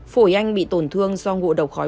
phổi anh bị tổn thương do ngộ độc khói